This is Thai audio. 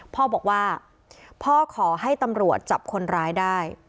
พ่อบอกว่าพ่อขอให้ตำรวจจับคนร้ายได้